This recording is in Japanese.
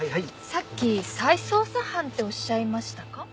さっき再捜査班っておっしゃいましたか？